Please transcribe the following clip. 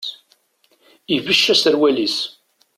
Ibecc aserwal-is.